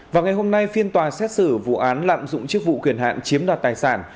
vào ngày hôm nay phiên tòa xét xử vụ án lạm dụng chức vụ quyền hạn chiếm đoạt tài sản